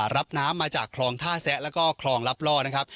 รับน้ำมาจากคลองท่าแซะแล้วก็คลองลับล่อนะครับ